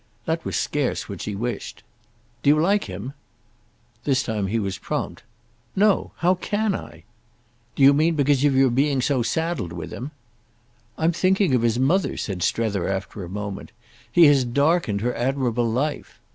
That was scarce what she wished. "Do you like him?" This time he was prompt. "No. How can I?" "Do you mean because of your being so saddled with him?" "I'm thinking of his mother," said Strether after a moment. "He has darkened her admirable life."